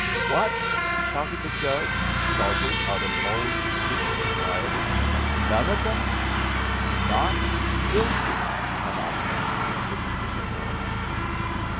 "What!" shouted the judge, startled out of all judicial propriety. "None of 'em?" "Not guilty," monotonously repeated the foreman.